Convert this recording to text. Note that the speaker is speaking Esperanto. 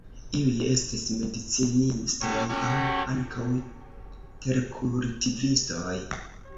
Iuj estis medicinistoj aŭ ankaŭ terkultivistoj.